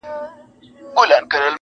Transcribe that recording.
ما چي ګولیو ته سینه سپرول٫